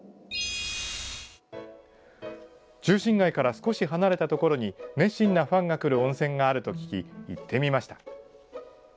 中心街から少し離れたところに熱心なファンが来る温泉があると聞き行ってみました。